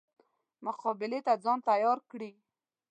مقابلې ته ځان تیار کړي.